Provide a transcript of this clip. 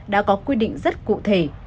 đã có quy định rất cụ thể